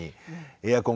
エアコン